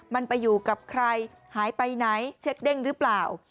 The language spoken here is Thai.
มันไปอยู่กับใครหายไปไหนเช็คเด้งหรือเปล่า